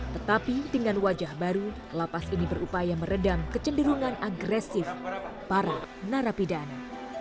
tetapi dengan wajah baru lapas ini berupaya meredam kecenderungan agresif para narapidana